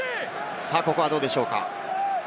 ここはどうでしょうか？